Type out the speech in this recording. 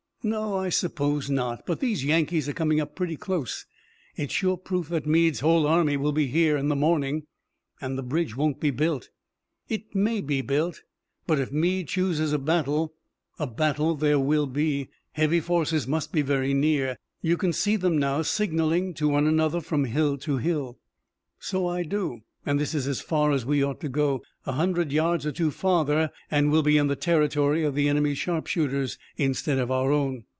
"No, I suppose not, but these Yankees are coming up pretty close. It's sure proof that Meade's whole army will be here in the morning, and the bridge won't be built." "It may be built, but, if Meade chooses a battle, a battle there will be. Heavy forces must be very near. You can see them now signaling to one another from hill to hill." "So I do, and this is as far as we ought to go. A hundred yards or two farther and we'll be in the territory of the enemy's sharpshooters instead of our own."